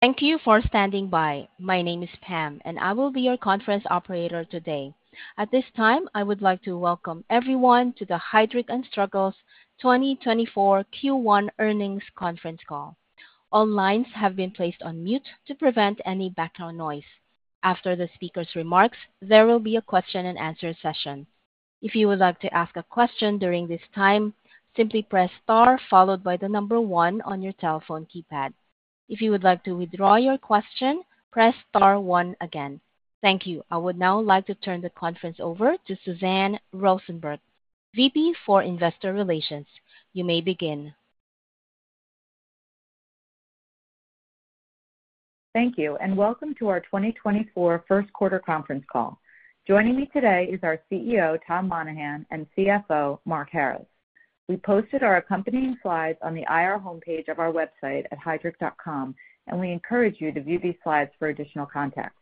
Thank you for standing by. My name is Pam, and I will be your conference operator today. At this time, I would like to welcome everyone to the Heidrick & Struggles 2024 Q1 earnings conference call. All lines have been placed on mute to prevent any background noise. After the speaker's remarks, there will be a question-and-answer session. If you would like to ask a question during this time, simply press * followed by the number 1 on your telephone keypad. If you would like to withdraw your question, press * 1 again. Thank you. I would now like to turn the conference over to Suzanne Rosenberg, VP for Investor Relations. You may begin. Thank you, and welcome to our 2024 first-quarter conference call. Joining me today is our CEO, Tom Monahan, and CFO, Mark Harris. We posted our accompanying slides on the IR homepage of our website at heidrick.com, and we encourage you to view these slides for additional context.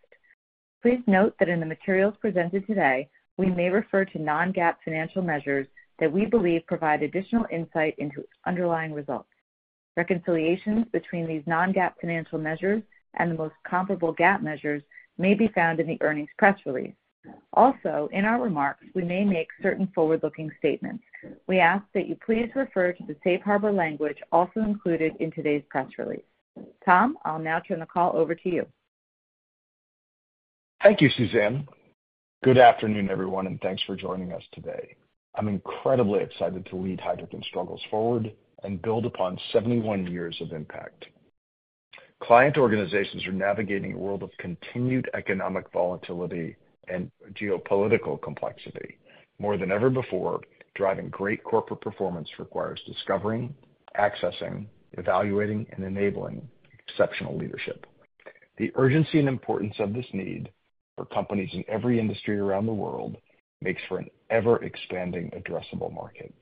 Please note that in the materials presented today, we may refer to non-GAAP financial measures that we believe provide additional insight into underlying results. Reconciliations between these non-GAAP financial measures and the most comparable GAAP measures may be found in the earnings press release. Also, in our remarks, we may make certain forward-looking statements. We ask that you please refer to the safe harbor language also included in today's press release. Tom, I'll now turn the call over to you. Thank you, Suzanne. Good afternoon, everyone, and thanks for joining us today. I'm incredibly excited to lead Heidrick & Struggles forward and build upon 71 years of impact. Client organizations are navigating a world of continued economic volatility and geopolitical complexity. More than ever before, driving great corporate performance requires discovering, accessing, evaluating, and enabling exceptional leadership. The urgency and importance of this need for companies in every industry around the world makes for an ever-expanding, addressable market.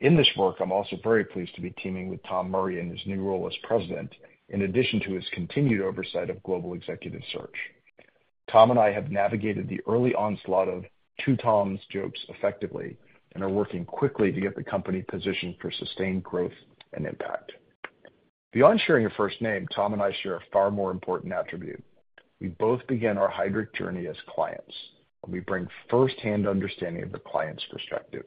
In this work, I'm also very pleased to be teaming with Tom Murray in his new role as President, in addition to his continued oversight of global Executive Search. Tom and I have navigated the early onslaught of two Toms jokes effectively and are working quickly to get the company positioned for sustained growth and impact. Beyond sharing a first name, Tom and I share a far more important attribute. We both began our Heidrick journey as clients, and we bring firsthand understanding of the client's perspective.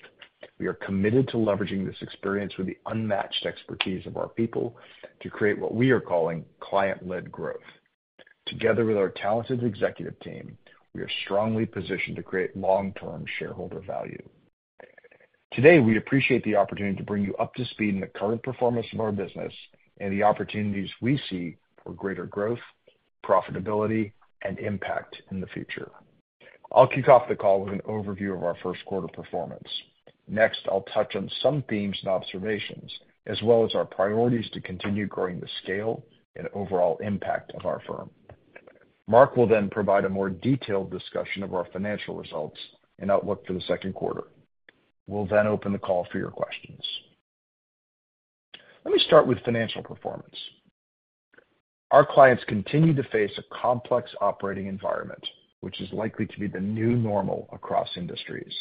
We are committed to leveraging this experience with the unmatched expertise of our people to create what we are calling client-led growth. Together with our talented executive team, we are strongly positioned to create long-term shareholder value. Today, we appreciate the opportunity to bring you up to speed on the current performance of our business and the opportunities we see for greater growth, profitability, and impact in the future. I'll kick off the call with an overview of our first-quarter performance. Next, I'll touch on some themes and observations, as well as our priorities to continue growing the scale and overall impact of our firm. Mark will then provide a more detailed discussion of our financial results and outlook for the second quarter. We'll then open the call for your questions. Let me start with financial performance. Our clients continue to face a complex operating environment, which is likely to be the new normal across industries.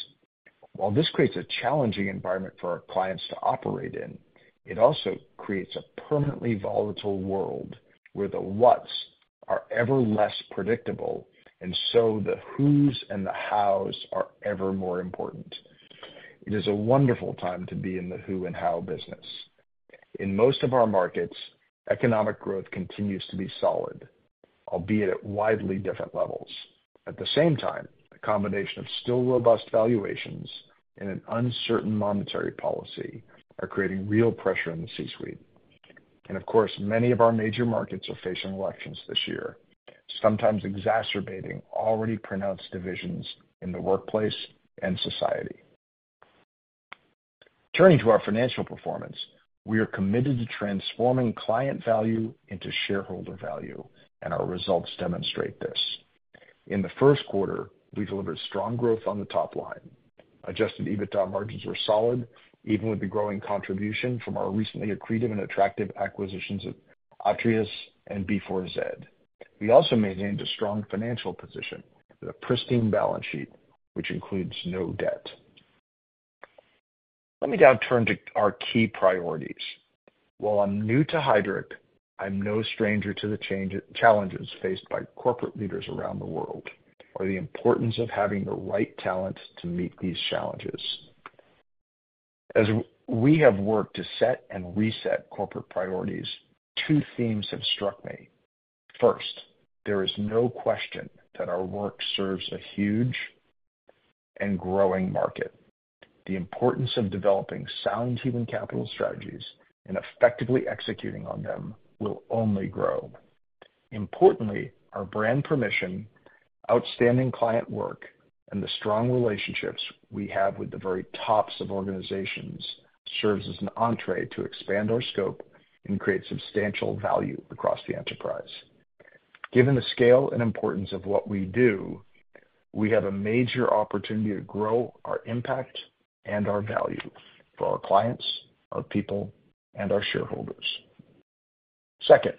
While this creates a challenging environment for our clients to operate in, it also creates a permanently volatile world where the whats are ever less predictable, and so the whos and the hows are ever more important. It is a wonderful time to be in the who and how business. In most of our markets, economic growth continues to be solid, albeit at widely different levels. At the same time, a combination of still-robust valuations and an uncertain monetary policy are creating real pressure in the C-suite. Of course, many of our major markets are facing elections this year, sometimes exacerbating already pronounced divisions in the workplace and society. Turning to our financial performance, we are committed to transforming client value into shareholder value, and our results demonstrate this. In the first quarter, we delivered strong growth on the top line. Adjusted EBITDA margins were solid, even with the growing contribution from our recently accretive and attractive acquisitions of Atreus and businessfourzero. We also maintained a strong financial position with a pristine balance sheet, which includes no debt. Let me now turn to our key priorities. While I'm new to Heidrick, I'm no stranger to the challenges faced by corporate leaders around the world or the importance of having the right talent to meet these challenges. As we have worked to set and reset corporate priorities, two themes have struck me. First, there is no question that our work serves a huge and growing market. The importance of developing sound human capital strategies and effectively executing on them will only grow. Importantly, our brand permission, outstanding client work, and the strong relationships we have with the very tops of organizations serve as an entrée to expand our scope and create substantial value across the enterprise. Given the scale and importance of what we do, we have a major opportunity to grow our impact and our value for our clients, our people, and our shareholders. Second,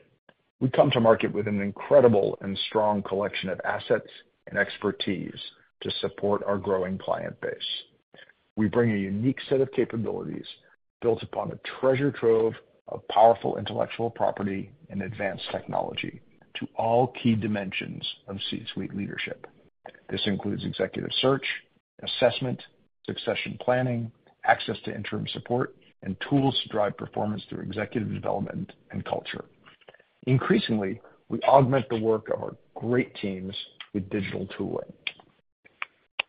we come to market with an incredible and strong collection of assets and expertise to support our growing client base. We bring a unique set of capabilities built upon a treasure trove of powerful intellectual property and advanced technology to all key dimensions of C-suite leadership. This includes executive search, assessment, succession planning, access to interim support, and tools to drive performance through executive development and culture. Increasingly, we augment the work of our great teams with digital tooling.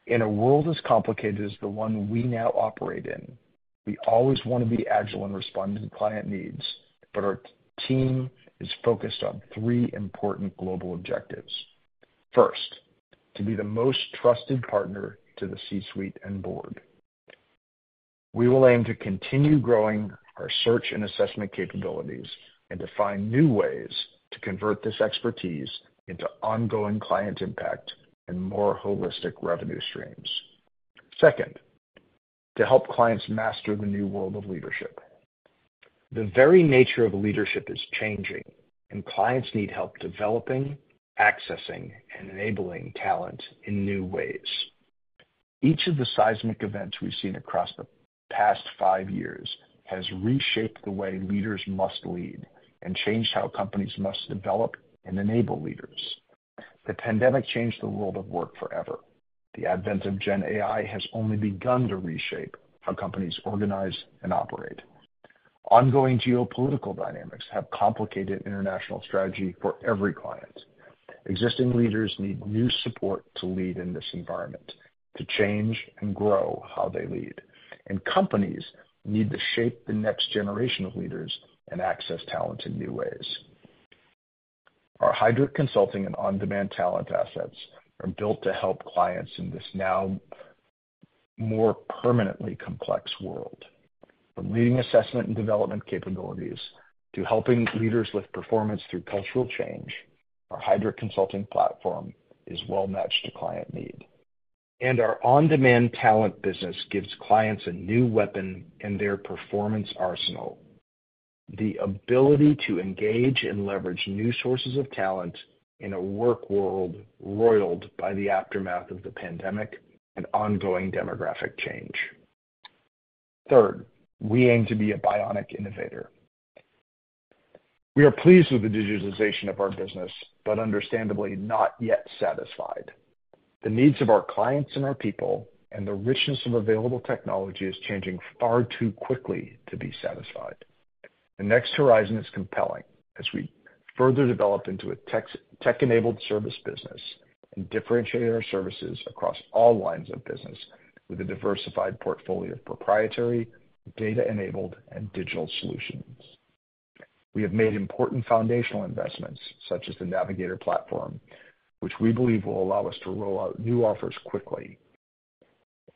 In a world as complicated as the one we now operate in, we always want to be agile and respond to client needs, but our team is focused on three important global objectives. First, to be the most trusted partner to the C-suite and board. We will aim to continue growing our search and assessment capabilities and to find new ways to convert this expertise into ongoing client impact and more holistic revenue streams. Second, to help clients master the new world of leadership. The very nature of leadership is changing, and clients need help developing, accessing, and enabling talent in new ways. Each of the seismic events we've seen across the past five years has reshaped the way leaders must lead and changed how companies must develop and enable leaders. The pandemic changed the world of work forever. The advent of Gen AI has only begun to reshape how companies organize and operate. Ongoing geopolitical dynamics have complicated international strategy for every client. Existing leaders need new support to lead in this environment, to change and grow how they lead, and companies need to shape the next generation of leaders and access talent in new ways. Our Heidrick Consulting and on-Demand talent assets are built to help clients in this now more permanently complex world. From leading assessment and development capabilities to helping leaders lift performance through cultural change, our Heidrick Consulting platform is well-matched to client need. And our on-demand talent business gives clients a new weapon in their performance arsenal: the ability to engage and leverage new sources of talent in a work world roiled by the aftermath of the pandemic and ongoing demographic change. Third, we aim to be a bionic innovator. We are pleased with the digitization of our business, but understandably not yet satisfied. The needs of our clients and our people and the richness of available technology is changing far too quickly to be satisfied. The next horizon is compelling as we further develop into a tech-enabled service business and differentiate our services across all lines of business with a diversified portfolio of proprietary, data-enabled, and digital solutions. We have made important foundational investments such as the Navigator platform, which we believe will allow us to roll out new offers quickly.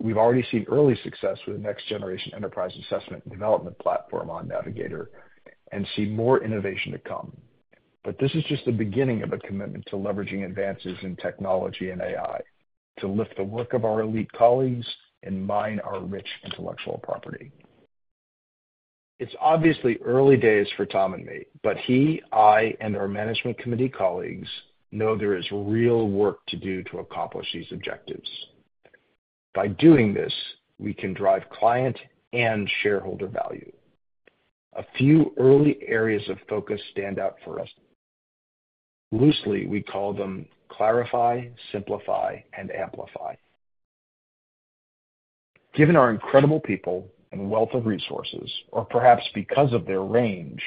We've already seen early success with the next-generation enterprise assessment and development platform on Navigator and see more innovation to come. But this is just the beginning of a commitment to leveraging advances in technology and AI to lift the work of our elite colleagues and mine our rich intellectual property. It's obviously early days for Tom and me, but he, I, and our management committee colleagues know there is real work to do to accomplish these objectives. By doing this, we can drive client and shareholder value. A few early areas of focus stand out for us. Loosely, we call them clarify, simplify, and amplify. Given our incredible people and wealth of resources, or perhaps because of their range,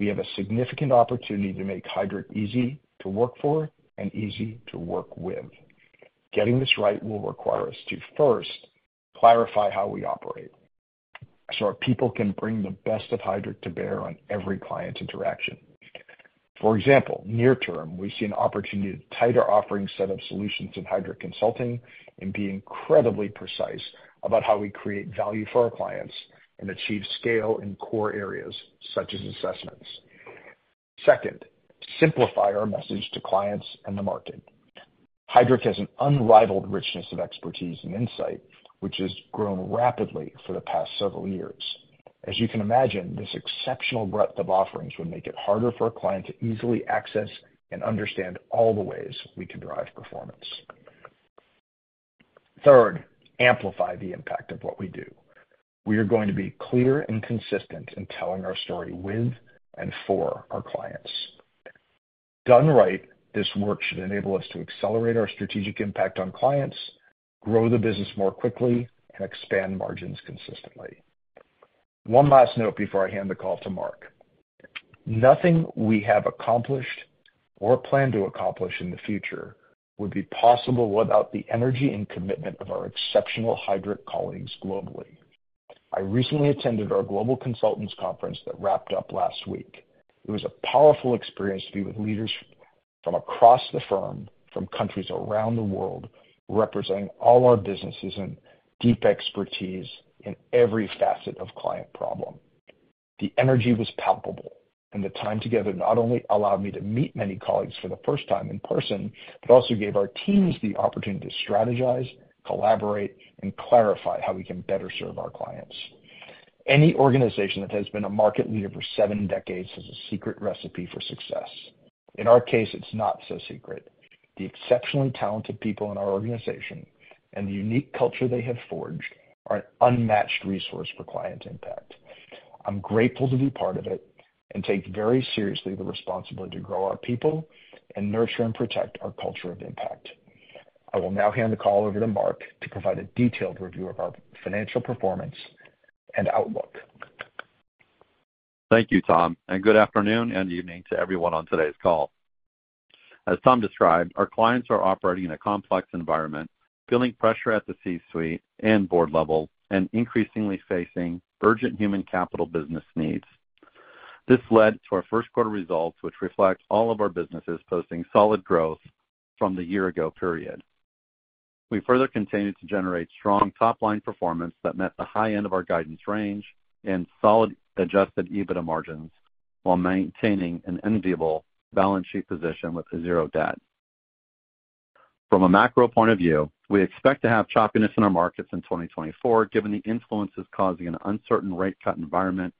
we have a significant opportunity to make Heidrick easy to work for and easy to work with. Getting this right will require us to first clarify how we operate so our people can bring the best of Heidrick to bear on every client interaction. For example, near term, we see an opportunity to tighter offering set of solutions in Heidrick Consulting and be incredibly precise about how we create value for our clients and achieve scale in core areas such as assessments. Second, simplify our message to clients and the market. Heidrick has an unrivaled richness of expertise and insight, which has grown rapidly for the past several years. As you can imagine, this exceptional breadth of offerings would make it harder for a client to easily access and understand all the ways we can drive performance. Third, amplify the impact of what we do. We are going to be clear and consistent in telling our story with and for our clients. Done right, this work should enable us to accelerate our strategic impact on clients, grow the business more quickly, and expand margins consistently. One last note before I hand the call to Mark. Nothing we have accomplished or plan to accomplish in the future would be possible without the energy and commitment of our exceptional Heidrick colleagues globally. I recently attended our global consultants conference that wrapped up last week. It was a powerful experience to be with leaders from across the firm, from countries around the world, representing all our businesses and deep expertise in every facet of client problem. The energy was palpable, and the time together not only allowed me to meet many colleagues for the first time in person but also gave our teams the opportunity to strategize, collaborate, and clarify how we can better serve our clients. Any organization that has been a market leader for seven decades has a secret recipe for success. In our case, it's not so secret. The exceptionally talented people in our organization and the unique culture they have forged are an unmatched resource for client impact. I'm grateful to be part of it and take very seriously the responsibility to grow our people and nurture and protect our culture of impact. I will now hand the call over to Mark to provide a detailed review of our financial performance and outlook. Thank you, Tom, and good afternoon and evening to everyone on today's call. As Tom described, our clients are operating in a complex environment, feeling pressure at the C-suite and board level, and increasingly facing urgent human capital business needs. This led to our first-quarter results, which reflect all of our businesses posting solid growth from the year-ago period. We further continued to generate strong top-line performance that met the high end of our guidance range and solid Adjusted EBITDA margins while maintaining an enviable balance sheet position with zero debt. From a macro point of view, we expect to have choppiness in our markets in 2024 given the influences causing an uncertain rate-cut environment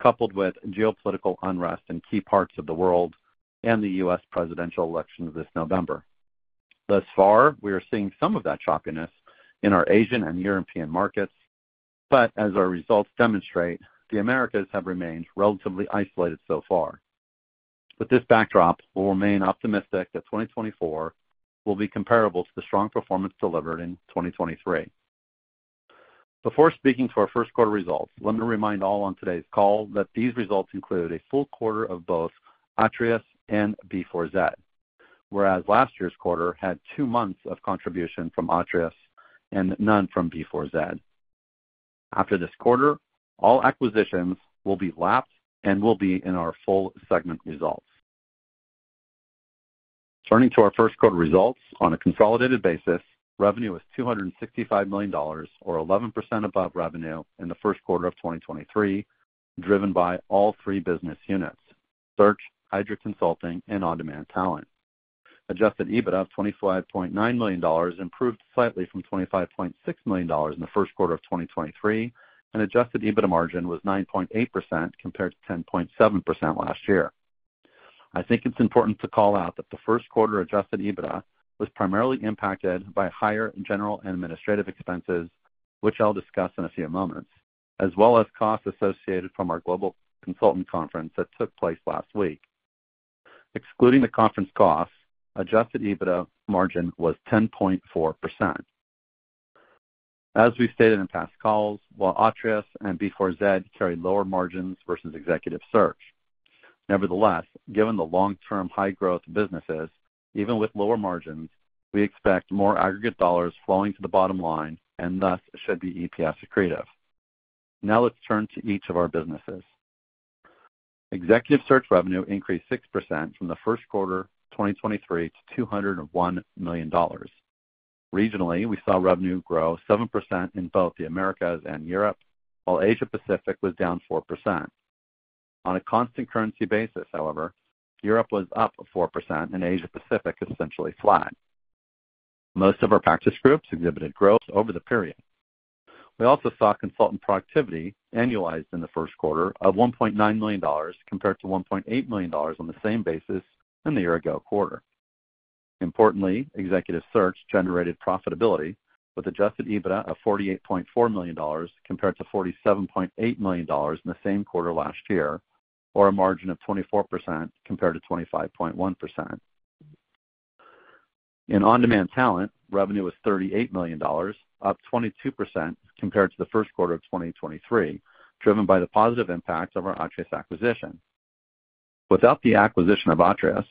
coupled with geopolitical unrest in key parts of the world and the U.S. presidential election this November. Thus far, we are seeing some of that choppiness in our Asian and European markets, but as our results demonstrate, the Americas have remained relatively isolated so far. With this backdrop, we'll remain optimistic that 2024 will be comparable to the strong performance delivered in 2023. Before speaking to our first-quarter results, let me remind all on today's call that these results include a full quarter of both Atreus and B4Z, whereas last year's quarter had two months of contribution from Atreus and none from B4Z. After this quarter, all acquisitions will be lapped and will be in our full segment results. Turning to our first-quarter results on a consolidated basis, revenue was $265 million or 11% above revenue in the first quarter of 2023, driven by all three business units: search, Heidrick Consulting, and on-demand talent. Adjusted EBITDA of $25.9 million improved slightly from $25.6 million in the first quarter of 2023, and adjusted EBITDA margin was 9.8% compared to 10.7% last year. I think it's important to call out that the first quarter adjusted EBITDA was primarily impacted by higher general and administrative expenses, which I'll discuss in a few moments, as well as costs associated from our global consultant conference that took place last week. Excluding the conference costs, adjusted EBITDA margin was 10.4%. As we've stated in past calls, while Atreus and B4Z carried lower margins versus Executive Search. Nevertheless, given the long-term high-growth businesses, even with lower margins, we expect more aggregate dollars flowing to the bottom line and thus should be EPS accretive. Now let's turn to each of our businesses. Executive Search revenue increased 6% from the first quarter 2023 to $201 million. Regionally, we saw revenue grow 7% in both the Americas and Europe, while Asia-Pacific was down 4%. On a constant currency basis, however, Europe was up 4% and Asia-Pacific essentially flat. Most of our practice groups exhibited growth over the period. We also saw consultant productivity annualized in the first quarter of $1.9 million compared to $1.8 million on the same basis in the year-ago quarter. Importantly, Executive Search generated profitability with Adjusted EBITDA of $48.4 million compared to $47.8 million in the same quarter last year, or a margin of 24% compared to 25.1%. In On-Demand Talent, revenue was $38 million, up 22% compared to the first quarter of 2023, driven by the positive impact of our Atreus acquisition. Without the acquisition of Atreus,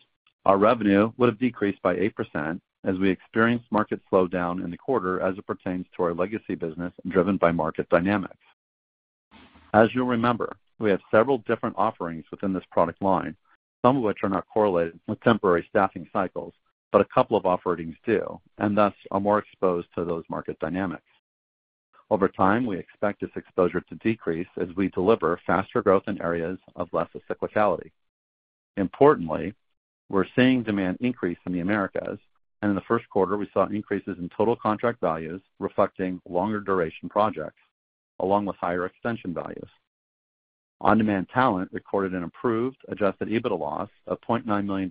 our revenue would have decreased by 8% as we experienced market slowdown in the quarter as it pertains to our legacy business driven by market dynamics. As you'll remember, we have several different offerings within this product line, some of which are not correlated with temporary staffing cycles, but a couple of offerings do and thus are more exposed to those market dynamics. Over time, we expect this exposure to decrease as we deliver faster growth in areas of less cyclicality. Importantly, we're seeing demand increase in the Americas, and in the first quarter, we saw increases in total contract values reflecting longer-duration projects along with higher extension values. On-Demand Talent recorded an improved Adjusted EBITDA loss of $0.9 million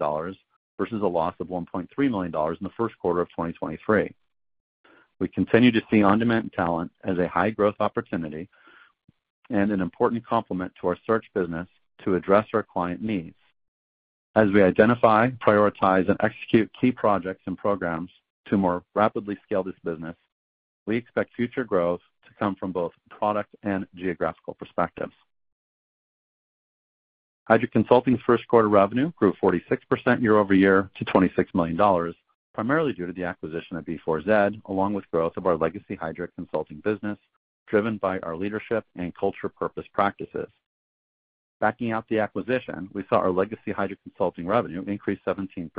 versus a loss of $1.3 million in the first quarter of 2023. We continue to see On-Demand Talent as a high-growth opportunity and an important complement to our search business to address our client needs. As we identify, prioritize, and execute key projects and programs to more rapidly scale this business, we expect future growth to come from both product and geographical perspectives. Heidrick Consulting's first-quarter revenue grew 46% year-over-year to $26 million, primarily due to the acquisition of B4Z along with growth of our legacy Heidrick Consulting business driven by our leadership and culture purpose practices. Backing out the acquisition, we saw our legacy Heidrick Consulting revenue increase 17%.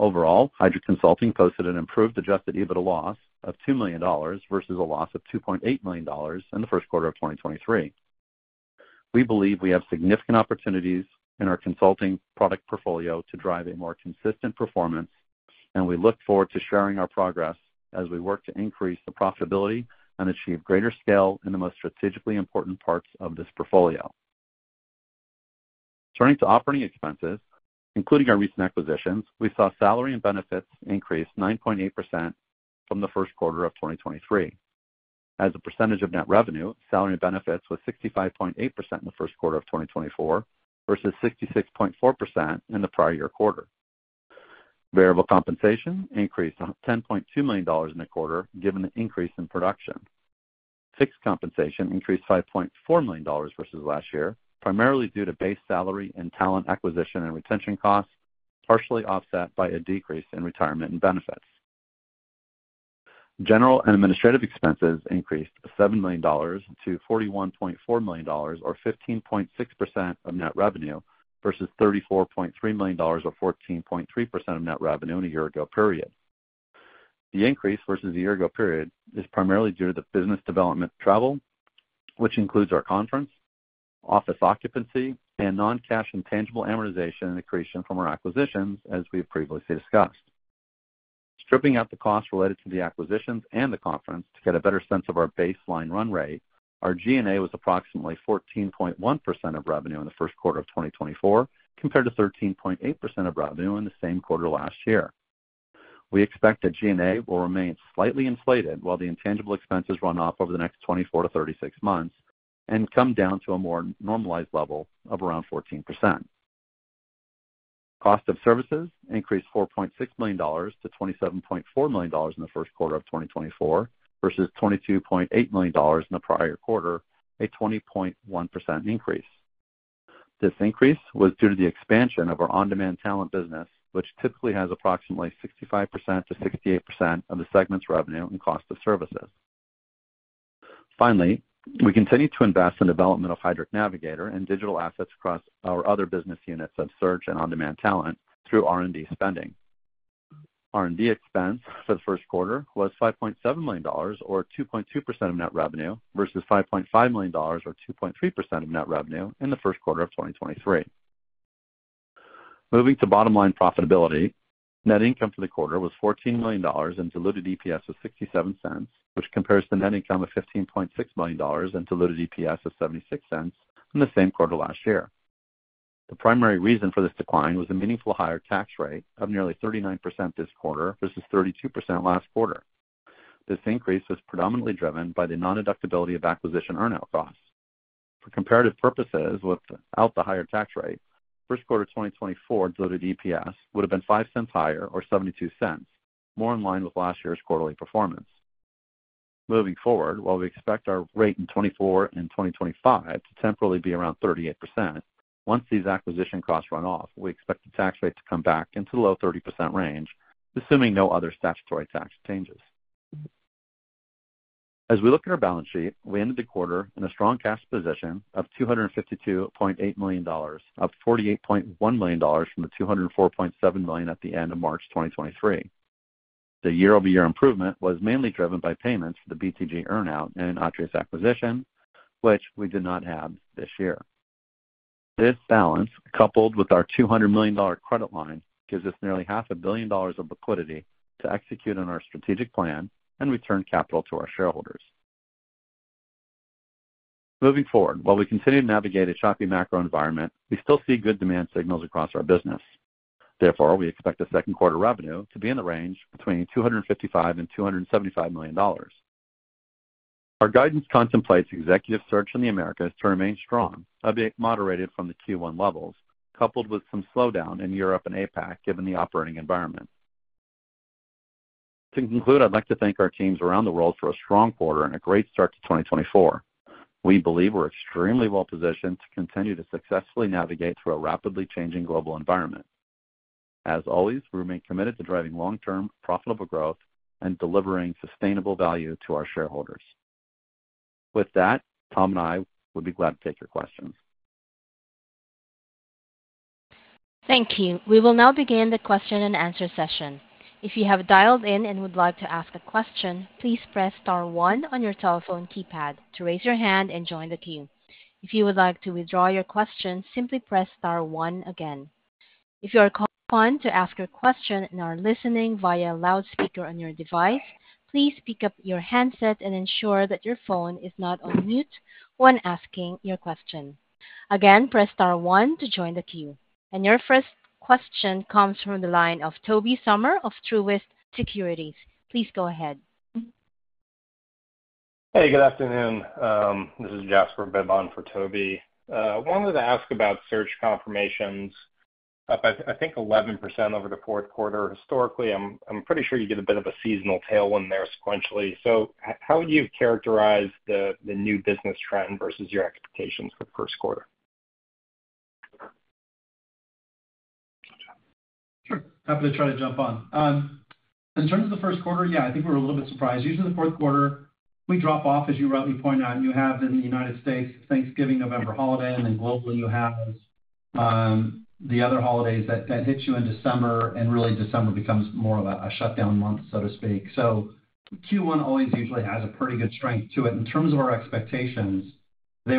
Overall, Heidrick Consulting posted an improved Adjusted EBITDA loss of $2 million versus a loss of $2.8 million in the first quarter of 2023. We believe we have significant opportunities in our consulting product portfolio to drive a more consistent performance, and we look forward to sharing our progress as we work to increase the profitability and achieve greater scale in the most strategically important parts of this portfolio. Turning to operating expenses, including our recent acquisitions, we saw salary and benefits increase 9.8% from the first quarter of 2023. As a percentage of net revenue, salary and benefits were 65.8% in the first quarter of 2024 versus 66.4% in the prior year quarter. Variable compensation increased $10.2 million in a quarter given the increase in production. Fixed compensation increased $5.4 million versus last year, primarily due to base salary and talent acquisition and retention costs partially offset by a decrease in retirement and benefits. General and administrative expenses increased $7 million to $41.4 million or 15.6% of net revenue versus $34.3 million or 14.3% of net revenue in a year-ago period. The increase versus the year-ago period is primarily due to the business development travel, which includes our conference, office occupancy, and non-cash intangible amortization accretion from our acquisitions as we have previously discussed. Stripping out the costs related to the acquisitions and the conference to get a better sense of our baseline run rate, our G&A was approximately 14.1% of revenue in the first quarter of 2024 compared to 13.8% of revenue in the same quarter last year. We expect that G&A will remain slightly inflated while the intangible expenses run off over the next 24 to 36 months and come down to a more normalized level of around 14%. Cost of services increased $4.6 million to $27.4 million in the first quarter of 2024 versus $22.8 million in the prior quarter, a 20.1% increase. This increase was due to the expansion of our On-Demand Talent business, which typically has approximately 65%-68% of the segment's revenue and cost of services. Finally, we continue to invest in development of Heidrick Navigator and digital assets across our other business units of search and on-demand talent through R&D spending. R&D expense for the first quarter was $5.7 million or 2.2% of net revenue versus $5.5 million or 2.3% of net revenue in the first quarter of 2023. Moving to bottom-line profitability, net income for the quarter was $14 million and diluted EPS of $0.67, which compares to net income of $15.6 million and diluted EPS of $0.76 in the same quarter last year. The primary reason for this decline was a meaningfully higher tax rate of nearly 39% this quarter versus 32% last quarter. This increase was predominantly driven by the non-deductibility of acquisition earnout costs. For comparative purposes, without the higher tax rate, first quarter 2024 diluted EPS would have been $0.05 higher or $0.72, more in line with last year's quarterly performance. Moving forward, while we expect our rate in 2024 and 2025 to temporarily be around 38%, once these acquisition costs run off, we expect the tax rate to come back into the low 30% range, assuming no other statutory tax changes. As we look at our balance sheet, we ended the quarter in a strong cash position of $252.8 million, up $48.1 million from the $204.7 million at the end of March 2023. The year-over-year improvement was mainly driven by payments for the BTG earnout and Atreus acquisition, which we did not have this year. This balance, coupled with our $200 million credit line, gives us nearly $500 million of liquidity to execute on our strategic plan and return capital to our shareholders. Moving forward, while we continue to navigate a choppy macro environment, we still see good demand signals across our business. Therefore, we expect the second quarter revenue to be in the range between $255 and $275 million. Our guidance contemplates executive search in the Americas to remain strong, albeit moderated from the Q1 levels, coupled with some slowdown in Europe and APAC given the operating environment. To conclude, I'd like to thank our teams around the world for a strong quarter and a great start to 2024. We believe we're extremely well positioned to continue to successfully navigate through a rapidly changing global environment. As always, we remain committed to driving long-term profitable growth and delivering sustainable value to our shareholders. With that, Tom and I would be glad to take your questions. Thank you. We will now begin the question and answer session. If you have dialed in and would like to ask a question, please press star one on your telephone keypad to raise your hand and join the queue. If you would like to withdraw your question, simply press star one again. If you are called on to ask your question and are listening via a loudspeaker on your device, please pick up your handset and ensure that your phone is not on mute when asking your question. Again, press star one to join the queue. Your first question comes from the line of Tobey Summer of Truist Securities. Please go ahead. Hey, good afternoon. This is Jasper Bibb for Toby. I wanted to ask about search confirmations, up I think 11% over the fourth quarter historically. I'm pretty sure you get a bit of a seasonal tailwind there sequentially. So how would you characterize the new business trend versus your expectations for the first quarter? Sure. Happy to try to jump on. In terms of the first quarter, yeah, I think we were a little bit surprised. Usually, the fourth quarter, we drop off, as you rightly point out, and you have in the United States Thanksgiving, November holiday, and then globally, you have the other holidays that hit you in December, and really, December becomes more of a shutdown month, so to speak. So Q1 always usually has a pretty good strength to it. In terms of our expectations, we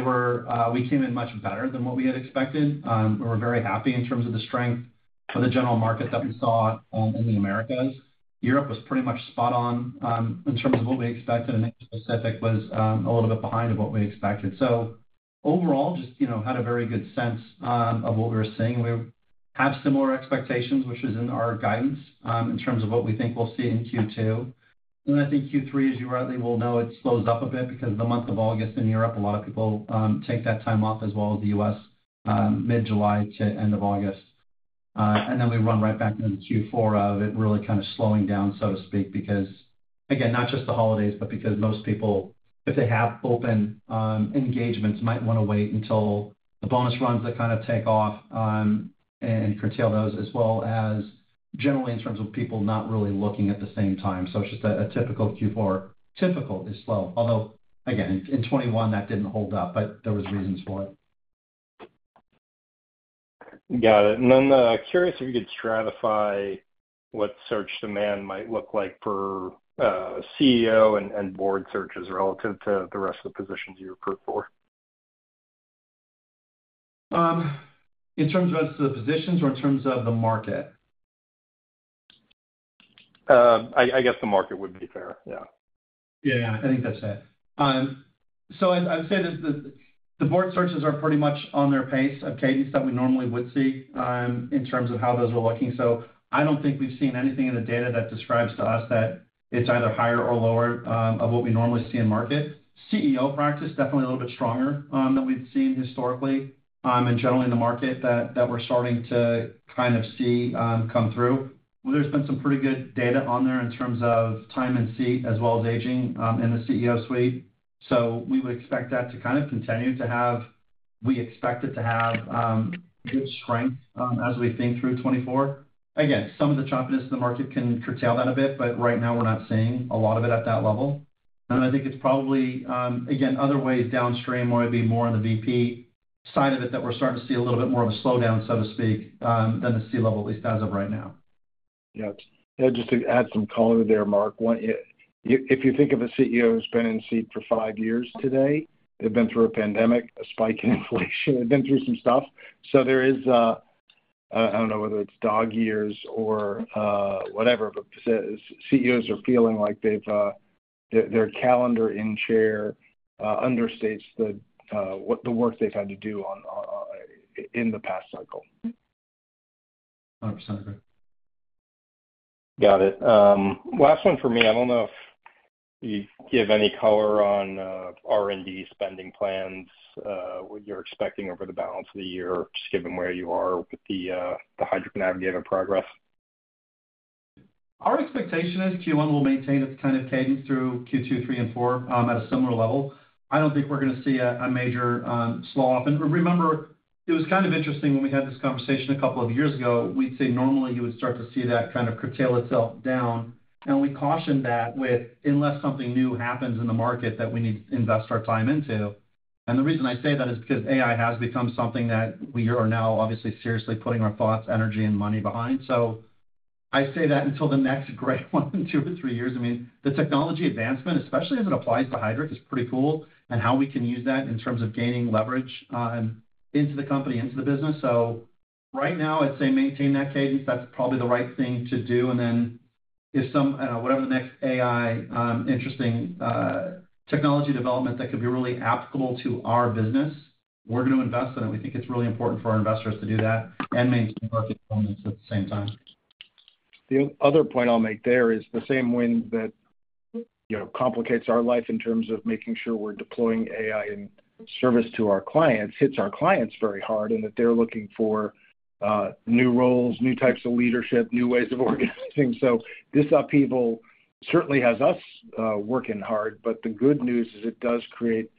came in much better than what we had expected. We were very happy in terms of the strength of the general market that we saw in the Americas. Europe was pretty much spot-on in terms of what we expected, and Asia-Pacific was a little bit behind what we expected. So overall, just had a very good sense of what we were seeing. We have similar expectations, which is in our guidance in terms of what we think we'll see in Q2. And then I think Q3, as you rightly will know, it slows up a bit because the month of August in Europe, a lot of people take that time off as well as the US, mid-July to end of August. And then we run right back into Q4 of it really kind of slowing down, so to speak, because, again, not just the holidays, but because most people, if they have open engagements, might want to wait until the bonus runs that kind of take off and curtail those, as well as generally in terms of people not really looking at the same time. So it's just a typical Q4. Typical is slow, although, again, in 2021, that didn't hold up, but there was reasons for it. Got it. And then curious if you could stratify what search demand might look like for CEO and board searches relative to the rest of the positions you recruit for? In terms of the positions or in terms of the market? I guess the market would be fair. Yeah. Yeah. I think that's it. So I would say that the board searches are pretty much on their pace of cadence that we normally would see in terms of how those are looking. So I don't think we've seen anything in the data that describes to us that it's either higher or lower of what we normally see in market. CEO practice, definitely a little bit stronger than we'd seen historically and generally in the market that we're starting to kind of see come through. There's been some pretty good data on there in terms of time and seat as well as aging in the C-suite. So we would expect that to kind of continue to have we expect it to have good strength as we think through 2024. Again, some of the choppiness in the market can curtail that a bit, but right now, we're not seeing a lot of it at that level. And I think it's probably, again, other ways downstream where it'd be more on the VP side of it that we're starting to see a little bit more of a slowdown, so to speak, than the C level, at least as of right now. Yep. Yeah. Just to add some color there, Mark, if you think of a CEO who's been in seat for 5 years today, they've been through a pandemic, a spike in inflation. They've been through some stuff. So there is I don't know whether it's dog years or whatever, but CEOs are feeling like their calendar in chair understates the work they've had to do in the past cycle. 100% agree. Got it. Last one for me. I don't know if you give any color on R&D spending plans, what you're expecting over the balance of the year, just given where you are with the Heidrick Navigator progress. Our expectation is Q1 will maintain its kind of cadence through Q2, Q3, and Q4 at a similar level. I don't think we're going to see a major slowdown. And remember, it was kind of interesting when we had this conversation a couple of years ago. We'd say normally, you would start to see that kind of curtail itself down. And we cautioned that with, "Unless something new happens in the market that we need to invest our time into." And the reason I say that is because AI has become something that we are now obviously seriously putting our thoughts, energy, and money behind. So I say that until the next great 1, 2 or 3 years. I mean, the technology advancement, especially as it applies to Heidrick, is pretty cool and how we can use that in terms of gaining leverage into the company, into the business. Right now, I'd say maintain that cadence. That's probably the right thing to do. Then if some whatever the next AI interesting technology development that could be really applicable to our business, we're going to invest in it. We think it's really important for our investors to do that and maintain market performance at the same time. The other point I'll make there is the same wind that complicates our life in terms of making sure we're deploying AI in service to our clients hits our clients very hard and that they're looking for new roles, new types of leadership, new ways of organizing. So this upheaval certainly has us working hard, but the good news is it does create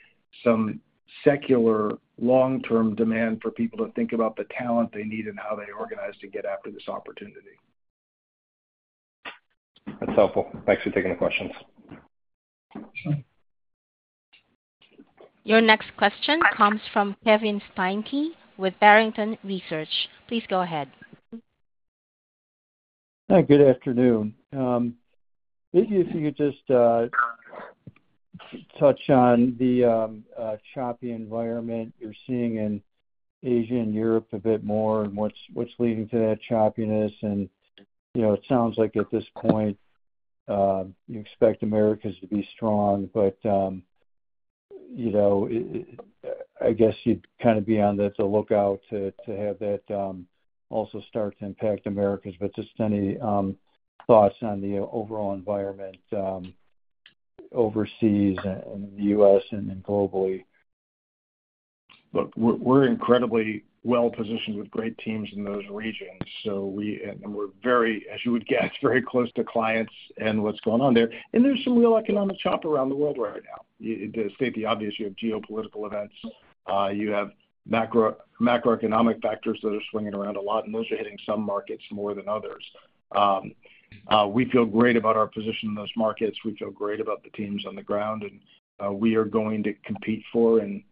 some secular long-term demand for people to think about the talent they need and how they organize to get after this opportunity. That's helpful. Thanks for taking the questions. Your next question comes from Kevin Steinke with Barrington Research. Please go ahead. Hi. Good afternoon. Maybe if you could just touch on the choppy environment you're seeing in Asia and Europe a bit more and what's leading to that choppiness. It sounds like at this point, you expect Americas to be strong, but I guess you'd kind of be on the lookout to have that also start to impact Americas. But just any thoughts on the overall environment overseas and in the US and globally? Look, we're incredibly well positioned with great teams in those regions, and we're, as you would guess, very close to clients and what's going on there. And there's some real economic chop around the world right now. To state the obvious, you have geopolitical events. You have macroeconomic factors that are swinging around a lot, and those are hitting some markets more than others. We feel great about our position in those markets. We feel great about the teams on the ground, and we are going to compete for and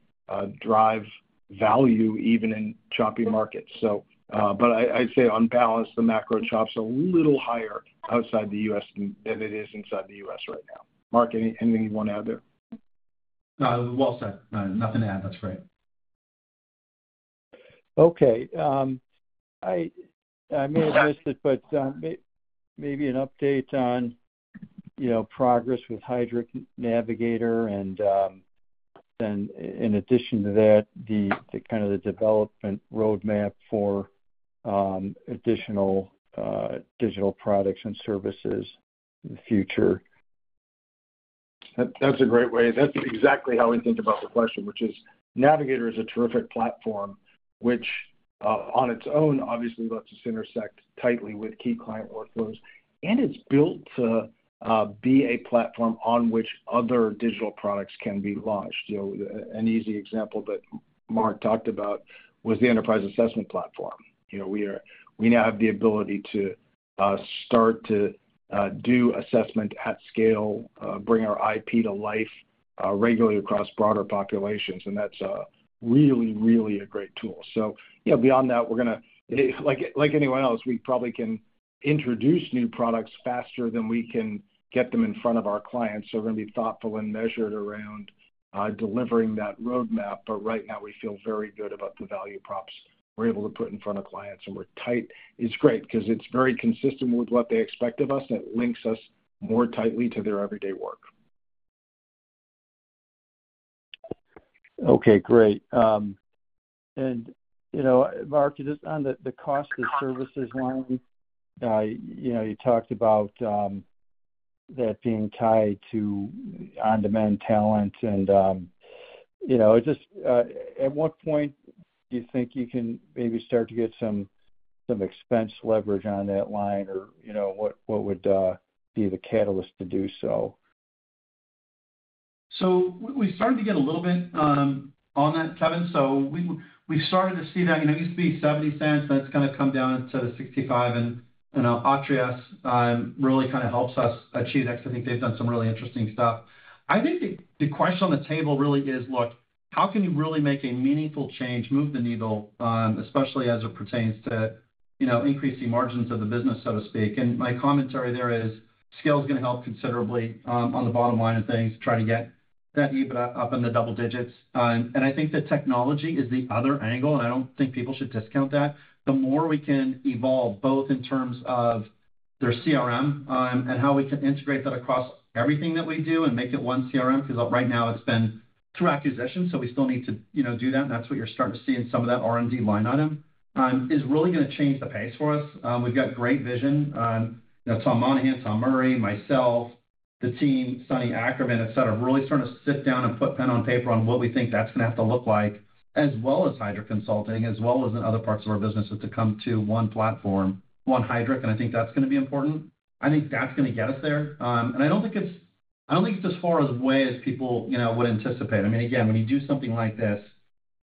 drive value even in choppy markets. But I'd say on balance, the macro chop's a little higher outside the U.S. than it is inside the U.S. right now. Mark, anything you want to add there? Well said. Nothing to add. That's great. Okay. I may have missed it, but maybe an update on progress with Heidrick Navigator and then, in addition to that, kind of the development roadmap for additional digital products and services in the future. That's a great way. That's exactly how we think about the question, which is Navigator is a terrific platform, which on its own, obviously, lets us intersect tightly with key client workflows. And it's built to be a platform on which other digital products can be launched. An easy example that Mark talked about was the Enterprise Assessment Platform. We now have the ability to start to do assessment at scale, bring our IP to life regularly across broader populations. And that's really, really a great tool. So beyond that, we're going to like anyone else, we probably can introduce new products faster than we can get them in front of our clients. So we're going to be thoughtful and measured around delivering that roadmap. But right now, we feel very good about the value props we're able to put in front of clients. And we're tight. It's great because it's very consistent with what they expect of us, and it links us more tightly to their everyday work. Okay. Great. And Mark, just on the cost of services line, you talked about that being tied to on-demand talent. And at what point do you think you can maybe start to get some expense leverage on that line, or what would be the catalyst to do so? So we started to get a little bit on that, Kevin. So we've started to see that. It used to be $0.70, and it's kind of come down to the $0.65. And Atreus really kind of helps us achieve that because I think they've done some really interesting stuff. I think the question on the table really is, "Look, how can you really make a meaningful change, move the needle, especially as it pertains to increasing margins of the business, so to speak?" And my commentary there is scale's going to help considerably on the bottom line of things, try to get that EBITDA up in the double digits. And I think that technology is the other angle, and I don't think people should discount that. The more we can evolve, both in terms of their CRM and how we can integrate that across everything that we do and make it one CRM because right now, it's been through acquisition, so we still need to do that. And that's what you're starting to see in some of that R&D line item is really going to change the pace for us. We've got great vision. Tom Monahan, Tom Murray, myself, the team, Sunny Ackerman, etc., really starting to sit down and put pen on paper on what we think that's going to have to look like, as well as Heidrick Consulting, as well as in other parts of our business, is to come to one platform, one Heidrick. And I think that's going to be important. I think that's going to get us there. And I don't think it's as far away as people would anticipate. I mean, again, when you do something like this,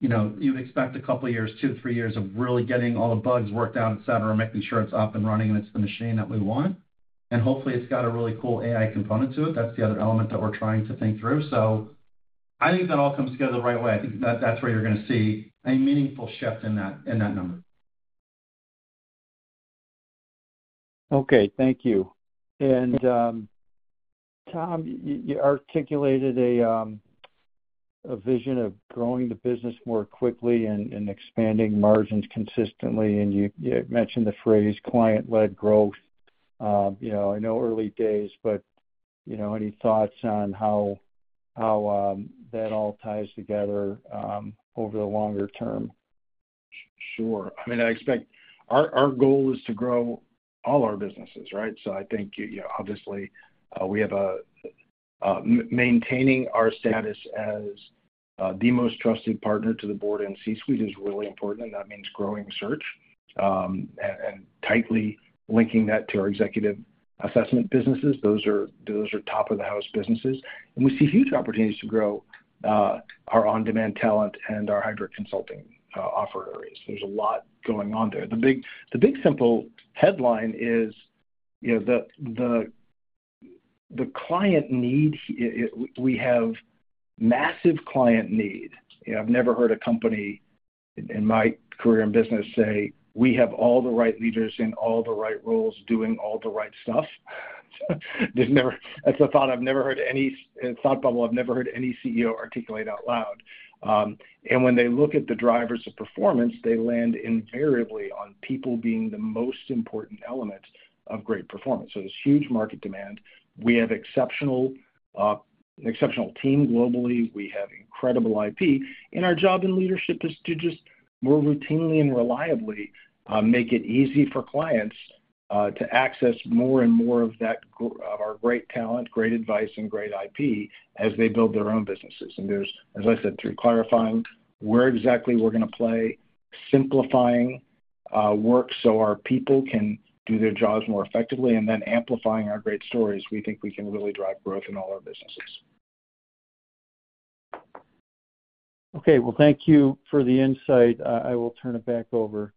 you'd expect a couple of years, 2, 3 years of really getting all the bugs worked out, etc., making sure it's up and running and it's the machine that we want. And hopefully, it's got a really cool AI component to it. That's the other element that we're trying to think through. So I think that all comes together the right way. I think that's where you're going to see a meaningful shift in that number. Okay. Thank you. And Tom, you articulated a vision of growing the business more quickly and expanding margins consistently. And you mentioned the phrase client-led growth. I know early days, but any thoughts on how that all ties together over the longer term? Sure. I mean, I expect our goal is to grow all our businesses, right? So I think, obviously, maintaining our status as the most trusted partner to the board and C-suite is really important. And that means growing search and tightly linking that to our executive assessment businesses. Those are top-of-the-house businesses. And we see huge opportunities to grow our on-demand talent and our Heidrick Consulting offer areas. There's a lot going on there. The big simple headline is the client need. We have massive client need. I've never heard a company in my career and business say, "We have all the right leaders in all the right roles doing all the right stuff." That's a thought I've never heard any thought bubble. I've never heard any CEO articulate out loud. And when they look at the drivers of performance, they land invariably on people being the most important element of great performance. So there's huge market demand. We have exceptional team globally. We have incredible IP. And our job in leadership is to just more routinely and reliably make it easy for clients to access more and more of our great talent, great advice, and great IP as they build their own businesses. And as I said, through clarifying where exactly we're going to play, simplifying work so our people can do their jobs more effectively, and then amplifying our great stories, we think we can really drive growth in all our businesses. Okay. Well, thank you for the insight. I will turn it back over.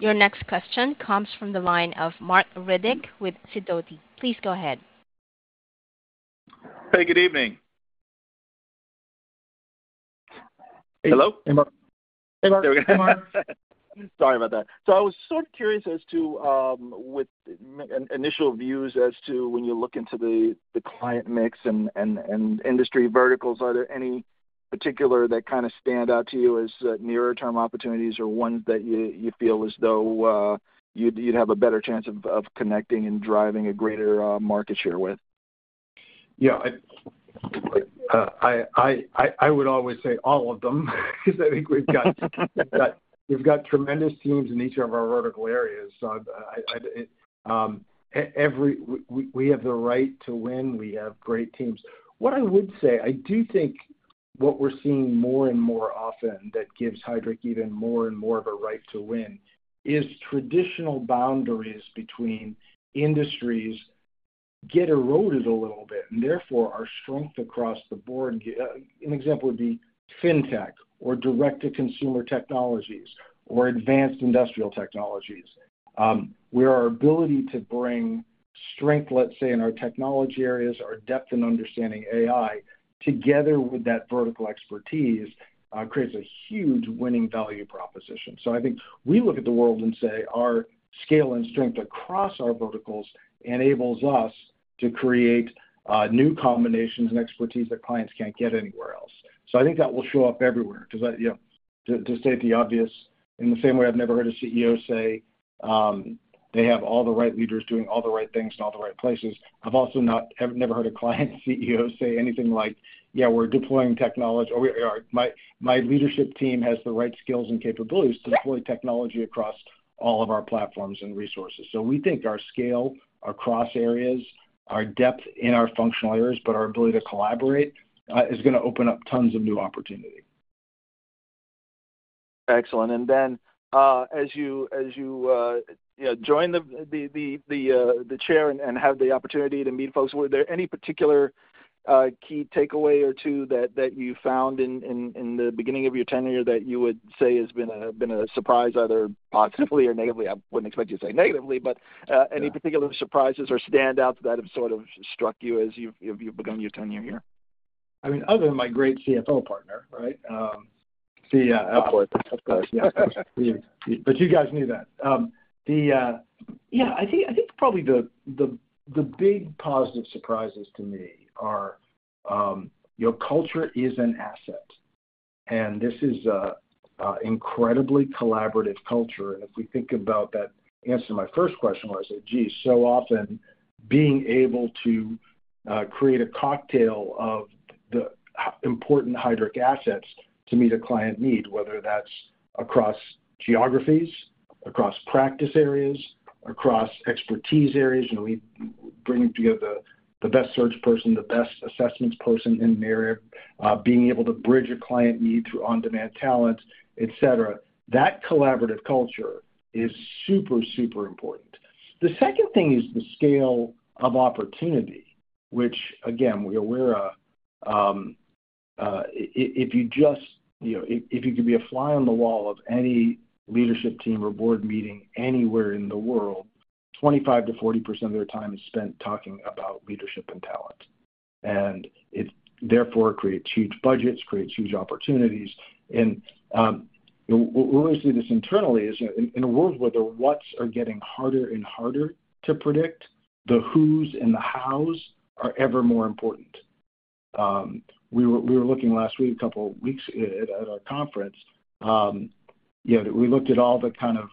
Your next question comes from the line of Mark Riddick with Sidoti. Please go ahead. Hey. Good evening. Hello? Hey, Mark. Hey, Mark. There we go. Sorry about that. So I was sort of curious as to initial views as to when you look into the client mix and industry verticals, are there any particular that kind of stand out to you as nearer-term opportunities or ones that you feel as though you'd have a better chance of connecting and driving a greater market share with? Yeah. I would always say all of them because I think we've got tremendous teams in each of our vertical areas. So we have the right to win. We have great teams. What I would say, I do think what we're seeing more and more often that gives Heidrick even more and more of a right to win is traditional boundaries between industries get eroded a little bit, and therefore, our strength across the board. An example would be fintech or direct-to-consumer technologies or advanced industrial technologies where our ability to bring strength, let's say, in our technology areas, our depth in understanding AI together with that vertical expertise creates a huge winning value proposition. So I think we look at the world and say our scale and strength across our verticals enables us to create new combinations and expertise that clients can't get anywhere else. So I think that will show up everywhere. To state the obvious, in the same way I've never heard a CEO say they have all the right leaders doing all the right things in all the right places, I've also never heard a client CEO say anything like, "Yeah. We're deploying technology." Or, "My leadership team has the right skills and capabilities to deploy technology across all of our platforms and resources." So we think our scale across areas, our depth in our functional areas, but our ability to collaborate is going to open up tons of new opportunity. Excellent. And then as you join the chair and have the opportunity to meet folks, were there any particular key takeaway or two that you found in the beginning of your tenure that you would say has been a surprise, either positively or negatively? I wouldn't expect you to say negatively, but any particular surprises or standouts that have sort of struck you as you've begun your tenure here? I mean, other than my great CFO partner, right? The. Of course. Of course. Yeah. But you guys knew that. Yeah. I think probably the big positive surprises to me are culture is an asset. And this is an incredibly collaborative culture. And if we think about that answer to my first question, where I said, "Gee," so often, being able to create a cocktail of the important Heidrick assets to meet a client need, whether that's across geographies, across practice areas, across expertise areas - and we bring together the best search person, the best assessments person in the area - being able to bridge a client need through on-demand talent, etc., that collaborative culture is super, super important. The second thing is the scale of opportunity, which, again, we're aware of. If you could be a fly on the wall of any leadership team or board meeting anywhere in the world, 25%-40% of their time is spent talking about leadership and talent. And it, therefore, creates huge budgets, creates huge opportunities. And we always see this internally. In a world where the whats are getting harder and harder to predict, the whos and the hows are ever more important. We were looking last week, a couple of weeks ago at our conference. We looked at all the kind of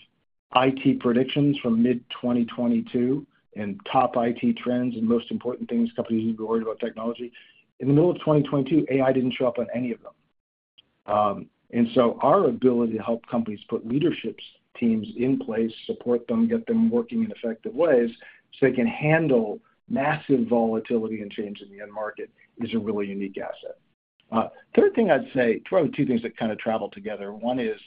IT predictions from mid-2022 and top IT trends and most important things, companies who'd be worried about technology. In the middle of 2022, AI didn't show up on any of them. And so our ability to help companies put leadership teams in place, support them, get them working in effective ways so they can handle massive volatility and change in the end market is a really unique asset. Third thing I'd say, probably two things that kind of travel together. One is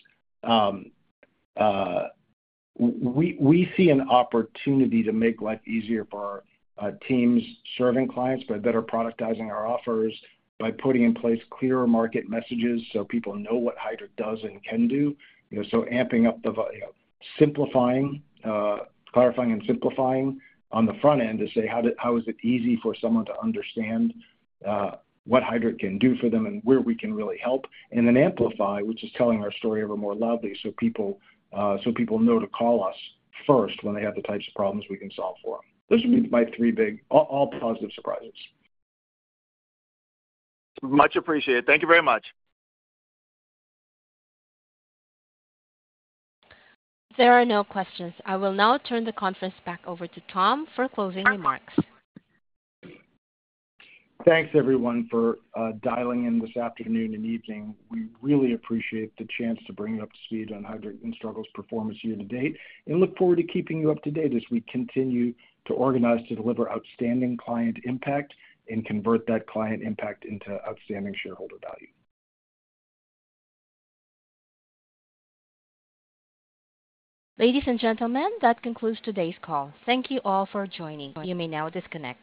we see an opportunity to make life easier for our teams serving clients by better productizing our offers, by putting in place clearer market messages so people know what Heidrick does and can do. So amping up the clarifying and simplifying on the front end to say, "How is it easy for someone to understand what Heidrick can do for them and where we can really help?" And then amplify, which is telling our story ever more loudly so people know to call us first when they have the types of problems we can solve for them. Those would be my three big, all positive surprises. Much appreciated. Thank you very much. There are no questions. I will now turn the conference back over to Tom for closing remarks. Thanks, everyone, for dialing in this afternoon and evening. We really appreciate the chance to bring you up to speed on Heidrick & Struggles' performance year to date and look forward to keeping you up to date as we continue to organize to deliver outstanding client impact and convert that client impact into outstanding shareholder value. Ladies and gentlemen, that concludes today's call. Thank you all for joining. You may now disconnect.